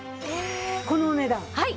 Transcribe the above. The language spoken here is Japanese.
このお値段？